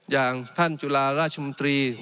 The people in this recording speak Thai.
อย่างท่านจุฬาราชมนตรี